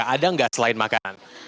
ada gak selain makanan